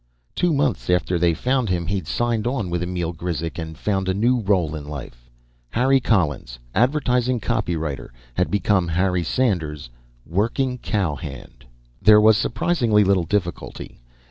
Two months after they found him, he'd signed on with Emil Grizek and found a new role in life. Harry Collins, advertising copywriter, had become Harry Sanders, working cowhand. There was surprisingly little difficulty.